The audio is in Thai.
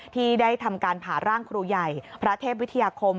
ที่ได้ทำการผ่าร่างครูใหญ่พระเทพวิทยาคม